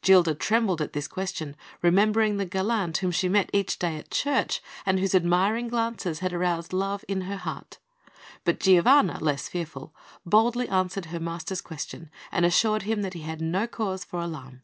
Gilda trembled at this question, remembering the gallant whom she met each day at church, and whose admiring glances had aroused love in her heart; but Giovanna, less fearful, boldly answered her master's question, and assured him that he had no cause for alarm.